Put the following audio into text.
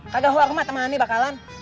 kagak berapa banyak teman ini bakalan